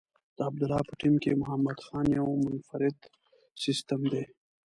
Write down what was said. د عبدالله په ټیم کې محمد خان یو منفرد سیسټم دی.